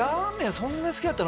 そんなに好きだったら」